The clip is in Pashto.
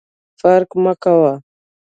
فرق مه کوه !